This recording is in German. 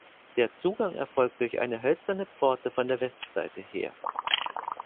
Der Zugang erfolgt durch eine hölzerne Pforte von der Westseite her.